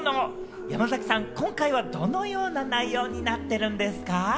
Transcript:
山崎さん、今回はどのような内容になってるんですか？